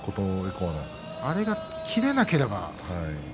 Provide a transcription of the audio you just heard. あれが切れなければ。